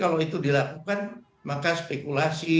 kalau itu dilakukan maka spekulasi